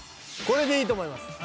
これでいいと思います。